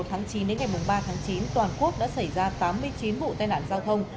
từ tháng chín đến ngày ba tháng chín toàn quốc đã xảy ra tám mươi chín vụ tai nạn giao thông